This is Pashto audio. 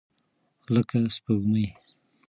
لکه سپوږمۍ.